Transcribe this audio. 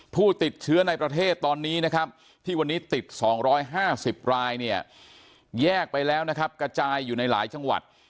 ผู้ติดเชื้อในประเทศตอนนี้นะครับที่วันนี้ติด๒๕๐รายเนี่ยแยกไปแล้วนะครับกระจายอยู่ในหลายจังหวัด